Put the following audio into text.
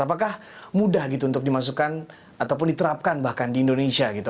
apakah mudah gitu untuk dimasukkan ataupun diterapkan bahkan di indonesia gitu